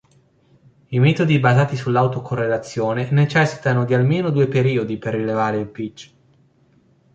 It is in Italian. Il metodi basati sull'autocorrelazione necessitano di almeno due periodi per rilevare il pitch.